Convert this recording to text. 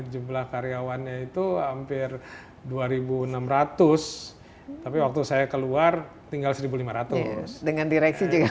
jumlah karyawannya itu hampir dua ribu enam ratus tapi waktu saya keluar tinggal seribu lima ratus dengan direksi juga